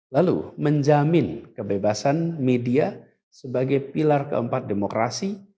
lalu menjamin kebebasan media sebagai pilar keempat demokrasi